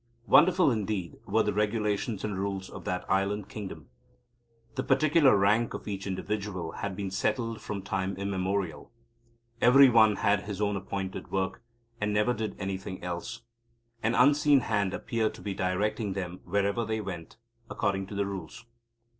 Wonderful indeed were the regulations and rules of that island kingdom. The particular rank of each individual had been settled from time immemorial. Every one had his own appointed work, and never did anything else. An unseen hand appeared to be directing them wherever they went, according to the Rules.